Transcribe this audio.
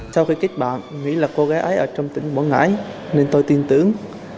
sau khi kết bạn nghĩ là cô gái ấy ở trong tỉnh quảng ngãi nên tôi tin tưởng